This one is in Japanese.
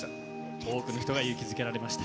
多くの人が勇気づけられました。